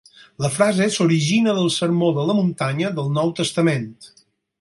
La frase s'origina del sermó de la muntanya del Nou Testament.